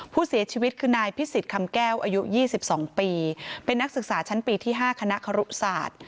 ผู้เสียชีวิตคือนายพิสิทธิ์คำแก้วอายุ๒๒ปีเป็นนักศึกษาชั้นปีที่๕คณะครุศาสตร์